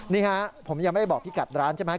นี่ครับผมยังไม่บอกพี่กัดร้านใช่ไหม